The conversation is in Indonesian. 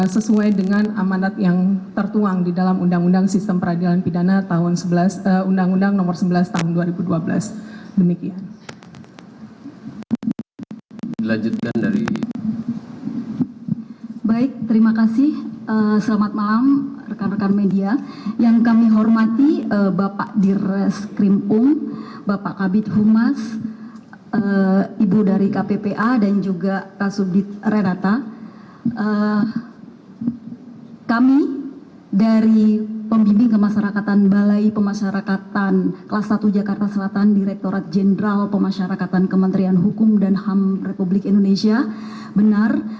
sesuai dengan amanat yang tertuang di dalam undang undang sistem peradilan pidana tahun sebelas undang undang nomor sebelas tahun dua ribu dua belas demikian